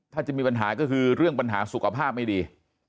ถ้าจะมีปัญหาก็คือเรื่องปัญหาสุขภาพไม่ดี